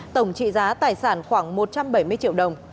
tổng trị giá tài sản khoảng một trăm bảy mươi triệu đồng